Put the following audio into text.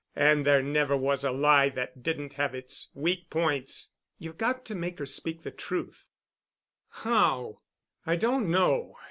And there never was a lie that didn't have its weak points. You've got to make her speak the truth——" "How?" "I don't know.